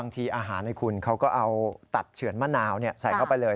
อาหารให้คุณเขาก็เอาตัดเฉือนมะนาวใส่เข้าไปเลย